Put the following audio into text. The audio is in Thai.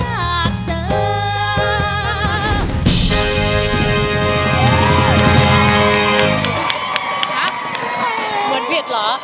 ไม่ใช้